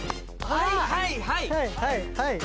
はいはいはい。